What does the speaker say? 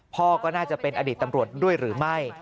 พ่อก็น่าจะเป็นอดีตตำรวจด้วยหรือไม่